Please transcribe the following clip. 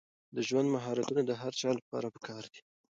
د ژوند مهارتونه د هر چا لپاره پکار دي.